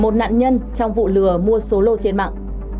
một nạn nhân trong vụ lừa mua số lô trên mạng